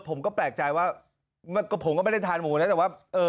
ผมก็แปลกใจว่าผมก็ไม่ได้ทานหมูนะแต่ว่าเออ